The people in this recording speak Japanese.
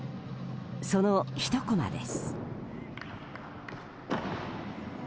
そのひとコマです。